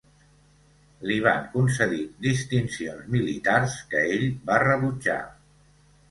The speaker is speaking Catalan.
Li van concedir distincions militars que ell va rebutjar.